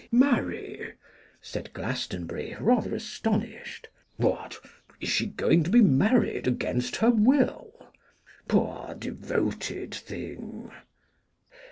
'Marry!' said Glastonbury, rather astonished; 'what, is she going to be married against her will? Poor devoted thing!